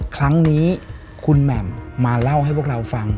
ครั้งนี้คุณแหม่มมาเล่าให้พวกเราฟัง